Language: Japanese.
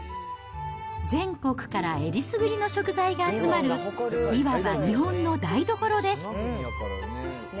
全国からえりすぐりの食材が集まる、いわば日本の台所です。